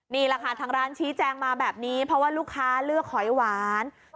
นี่แหละค่ะทางร้านชี้แจงมาแบบนี้เพราะว่าลูกค้าเลือกหอยหวาน